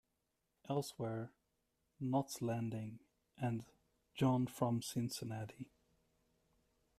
Elsewhere", "Knots Landing" and "John from Cincinnati".